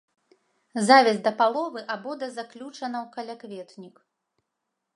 Завязь да паловы або да заключана ў калякветнік.